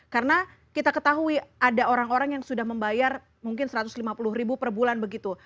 karena kita ketahui ada orang orang yang sudah membayar mungkin rp satu ratus lima puluh ribu per bulan begitu